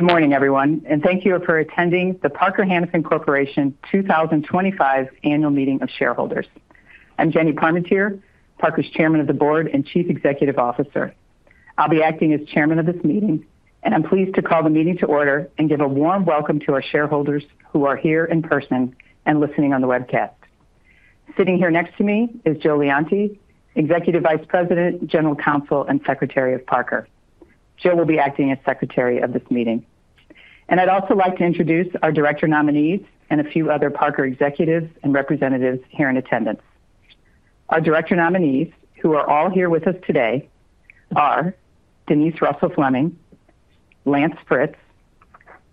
Good morning, everyone, and thank you for attending the Parker-Hannifin Corporation 2025 annual meeting of shareholders. I'm Jennifer Parmentier, Parker's Chairman of the Board and Chief Executive Officer. I'll be acting as Chairman of this meeting, and I'm pleased to call the meeting to order and give a warm welcome to our shareholders who are here in person and listening on the webcast. Sitting here next to me is Joseph Leonti, Executive Vice President, General Counsel, and Secretary of Parker. Joe will be acting as Secretary of this meeting. I'd also like to introduce our director nominees and a few other Parker executives and representatives here in attendance. Our director nominees, who are all here with us today, are Denise Russell-Fleming, Lance Fritz,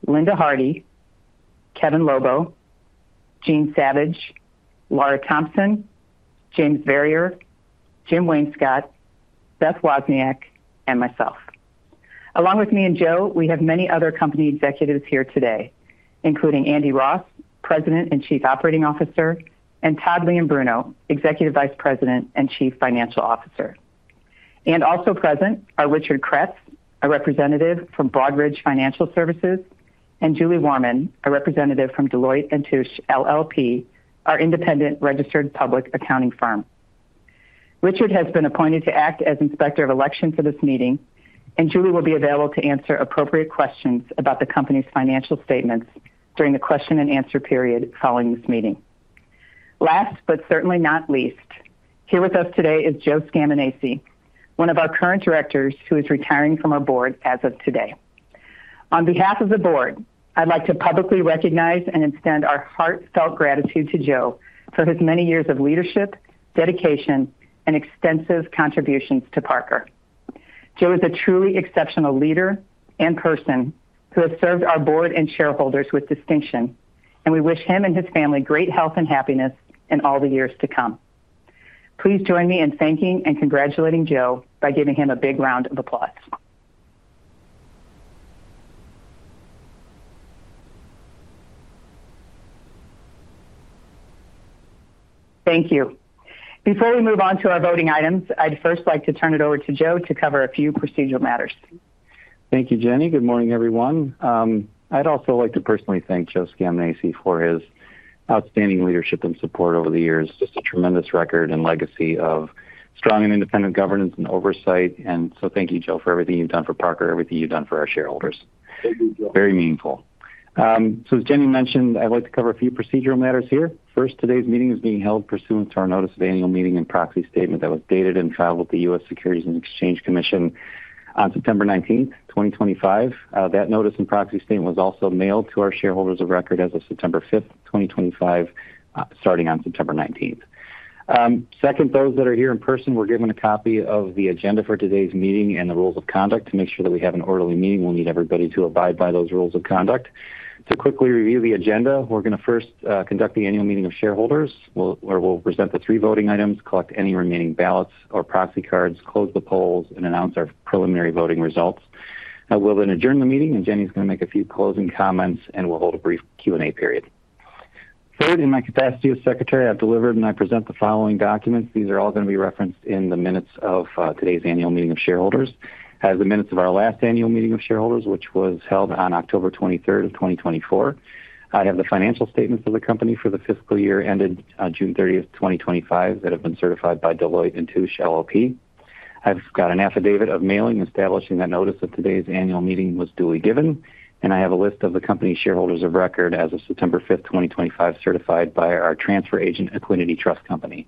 Linda Hardy, Kevin Lobo, Jeanne Savage, Laura Thompson, James Verrier, Jim Wayne Scott, Beth Wozniak, and myself. Along with me and Joe, we have many other company executives here today, including Andrew Ross, President and Chief Operating Officer, and Todd Leombruno, Executive Vice President and Chief Financial Officer. Also present are Richard Kress, a representative from Broadridge Financial services, and Julie Warman, a representative from Deloitte & Touche LLP, our independent registered public accounting firm. Richard has been appointed to act as Inspector of Election for this meeting, and Julie will be available to answer appropriate questions about the company's financial statements during the question and answer period following this meeting. Last but certainly not least, here with us today is Joe Scaminace, one of our current directors who is retiring from our board as of today. On behalf of the board, I'd like to publicly recognize and extend our heartfelt gratitude to Joe for his many years of leadership, dedication, and extensive contributions to Parker. Joe is a truly exceptional leader and person who has served our board and shareholders with distinction, and we wish him and his family great health and happiness in all the years to come. Please join me in thanking and congratulating Joe by giving him a big round of applause. Thank you. Before we move on to our voting items, I'd first like to turn it over to Joe to cover a few procedural matters. Thank you, Jenny. Good morning, everyone. I'd also like to personally thank Joe Scaminace for his outstanding leadership and support over the years. Just a tremendous record and legacy of strong and independent governance and oversight. Thank you, Joe, for everything you've done for Parker, everything you've done for our shareholders. Very meaningful. As Jenny mentioned, I'd like to cover a few procedural matters here. First, today's meeting is being held pursuant to our notice of annual meeting and proxy statement that was dated and filed with the U.S. Securities and Exchange Commission on September 19th 2025. That notice and proxy statement was also mailed to our shareholders of record as of September 5th 2025, starting on September 19th. Second, those that are here in person were given a copy of the agenda for today's meeting and the rules of conduct to make sure that we have an orderly meeting. We'll need everybody to abide by those rules of conduct. To quickly review the agenda, we're going to first conduct the annual meeting of shareholders, where we'll present the three voting items, collect any remaining ballots or proxy cards, close the polls, and announce our preliminary voting results. We'll then adjourn the meeting, and Jenny's going to make a few closing comments, and we'll hold a brief Q&A period. Third, in my capacity as Secretary, I've delivered and I present the following documents. These are all going to be referenced in the minutes of today's annual meeting of shareholders, as the minutes of our last annual meeting of shareholders, which was held on October 23rd 2024. I have the financial statements of the company for the fiscal year ended June 30th 2025, that have been certified by Deloitte & Touche LLP. I've got an affidavit of mailing establishing that notice of today's annual meeting was duly given, and I have a list of the company shareholders of record as of September 5th 2025, certified by our transfer agent, Equiniti Trust Company.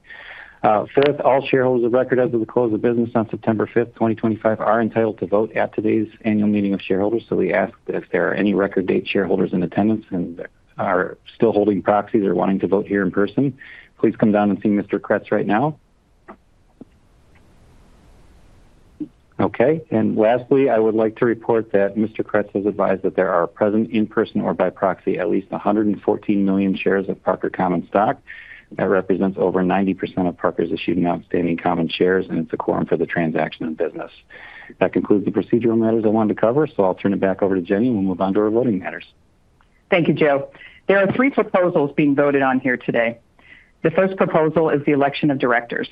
Fourth, all shareholders of record as of the close of business on September 5th, 2025, are entitled to vote at today's annual meeting of shareholders. We ask that if there are any record date shareholders in attendance and are still holding proxies or wanting to vote here in person, please come down and see Mr. Kress right now. Lastly, I would like to report that Mr. Kress has advised that there are present in person or by proxy at least 114 million shares of Parker common stock. That represents over 90% of Parker's issued and outstanding common shares, and it's a quorum for the transaction of business. That concludes the procedural matters I wanted to cover, so I'll turn it back over to Jenny, and we'll move on to our voting matters. Thank you, Joe. There are three proposals being voted on here today. The first proposal is the election of directors.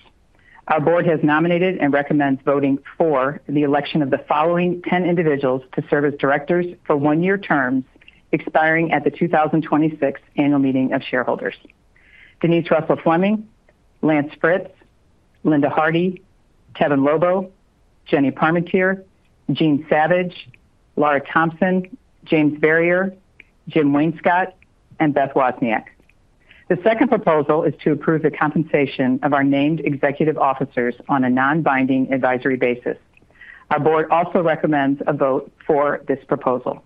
Our board has nominated and recommends voting for the election of the following 10 individuals to serve as directors for one-year terms expiring at the 2026 annual meeting of shareholders: Denise Russell-Fleming, Lance Fritz, Linda Hardy, Kevin Lobo, Jennifer Parmentier, Jeanne Savage, Laura Thompson, James Verrier, Jim Wayne Scott, and Beth Wozniak. The second proposal is to approve the compensation of our named executive officers on a non-binding advisory basis. Our board also recommends a vote for this proposal.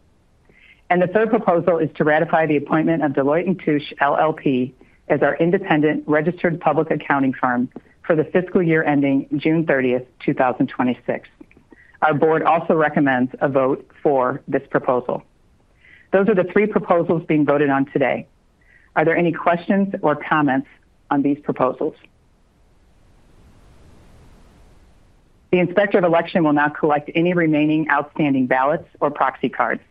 The third proposal is to ratify the appointment of Deloitte & Touche LLP as our independent registered public accounting firm for the fiscal year ending June 30th 2026. Our board also recommends a vote for this proposal. Those are the three proposals being voted on today. Are there any questions or comments on these proposals? The Inspector of Election will now collect any remaining outstanding ballots or proxy cards.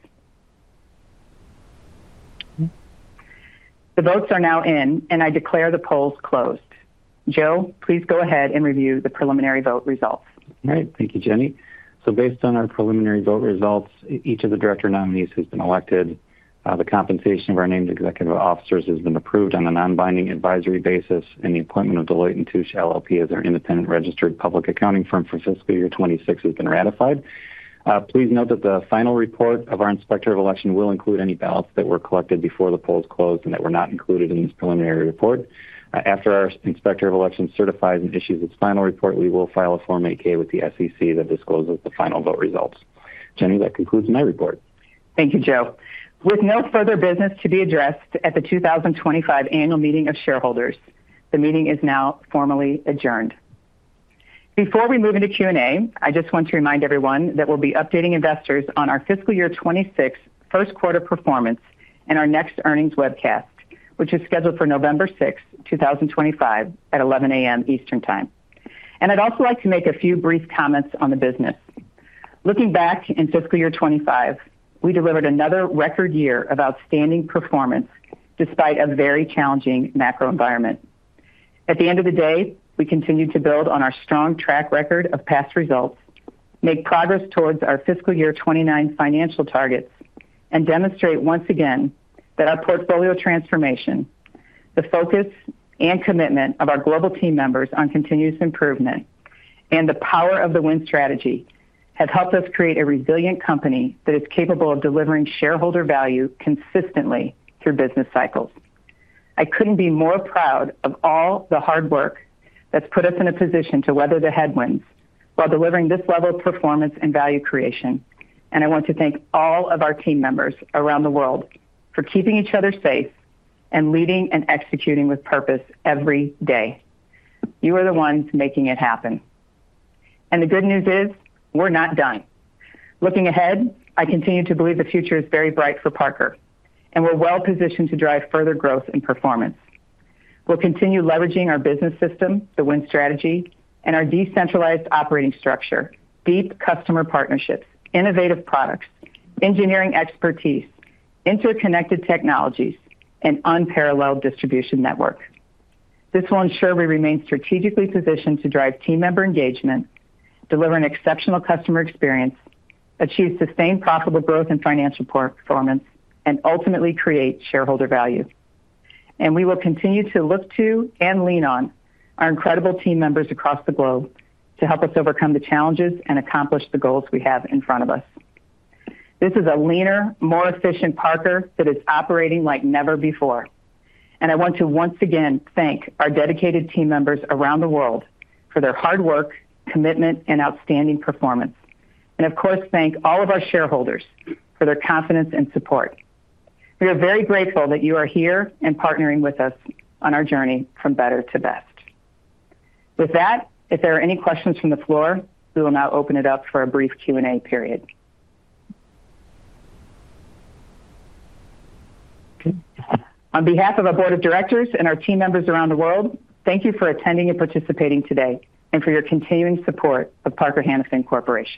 The votes are now in, and I declare the polls closed. Joe, please go ahead and review the preliminary vote results. All right. Thank you, Jenny. Based on our preliminary vote results, each of the director nominees has been elected. The compensation of our named executive officers has been approved on a non-binding advisory basis, and the appointment of Deloitte & Touche LLP as our independent registered public accounting firm for fiscal year 2026 has been ratified. Please note that the final report of our Inspector of Election will include any ballots that were collected before the polls closed and that were not included in this preliminary report. After our Inspector of Election certifies and issues its final report, we will file a Form 8-K with the SEC that discloses the final vote results. Jenny, that concludes my report. Thank you, Joe. With no further business to be addressed at the 2025 annual meeting of shareholders, the meeting is now formally adjourned. Before we move into Q&A, I just want to remind everyone that we'll be updating investors on our fiscal year 2026 first quarter performance and our next earnings webcast, which is scheduled for November 6th 2025, at 11:00 A.M. Eastern Time. I'd also like to make a few brief comments on the business. Looking back in fiscal year 2025, we delivered another record year of outstanding performance despite a very challenging macroeconomic environment. At the end of the day, we continue to build on our strong track record of past results, make progress towards our fiscal year 2029 financial targets, and demonstrate once again that our portfolio transformation, the focus and commitment of our global team members on continuous improvement, and the power of the Win Strategy have helped us create a resilient company that is capable of delivering shareholder value consistently through business cycles. I couldn't be more proud of all the hard work that's put us in a position to weather the headwinds while delivering this level of performance and value creation. I want to thank all of our team members around the world for keeping each other safe and leading and executing with purpose every day. You are the ones making it happen. The good news is, we're not done. Looking ahead, I continue to believe the future is very bright for Parker, and we're well positioned to drive further growth and performance. We'll continue leveraging our business system, the Win Strategy, and our decentralized operating structure, deep customer partnerships, innovative products, engineering expertise, interconnected technologies, and unparalleled distribution network. This will ensure we remain strategically positioned to drive team member engagement, deliver an exceptional customer experience, achieve sustained profitable growth in financial performance, and ultimately create shareholder value. We will continue to look to and lean on our incredible team members across the globe to help us overcome the challenges and accomplish the goals we have in front of us. This is a leaner, more efficient Parker that is operating like never before. I want to once again thank our dedicated team members around the world for their hard work, commitment, and outstanding performance. Of course, thank all of our shareholders for their confidence and support. We are very grateful that you are here and partnering with us on our journey from better to best. With that, if there are any questions from the floor, we will now open it up for a brief Q&A period. On behalf of our Board of Directors and our team members around the world, thank you for attending and participating today and for your continuing support of Parker-Hannifin Corporation.